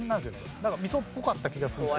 なんか味噌っぽかった気がするんですけど。